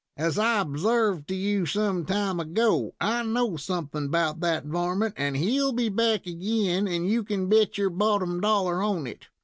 As I observed to you some time ago, I know something 'bout that varmint, and he'll be back agin, and you kin bet your bottom dollar on it.